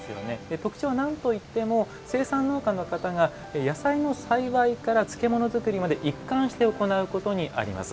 特徴はなんといっても生産農家の方が野菜の栽培から漬物作りまで一貫して行うところにあります。